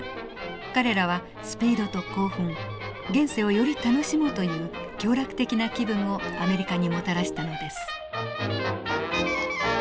彼らはスピードと興奮現世をより楽しもうという享楽的な気分をアメリカにもたらしたのです。